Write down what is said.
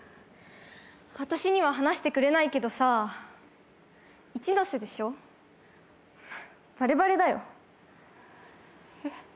私には話してくれないけどさイチノセでしょバレバレだよえっ